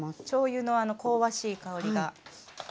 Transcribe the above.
しょうゆのあの香ばしい香りが。